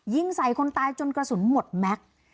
ยิงใส่คนตายจนกระสุนหมดแม็กซ์